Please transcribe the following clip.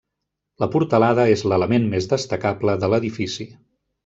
La portalada és l'element més destacable de l'edifici.